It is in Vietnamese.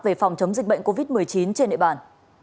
về phòng chống dịch bệnh covid một mươi chín trên địa bàn